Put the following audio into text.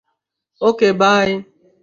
Okay, by!